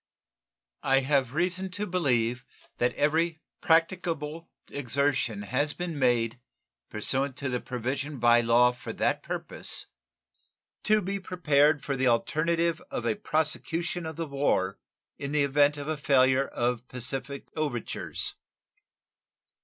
I have reason to believe that every practicable exertion has been made (pursuant to the provision by law for that purpose) to be prepared for the alternative of a prosecution of the war in the event of a failure of pacific overtures.